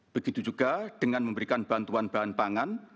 begitu juga dengan memberikan bantuan bahan pangan